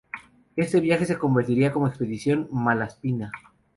Este viaje se conocería como expedición Malaspina.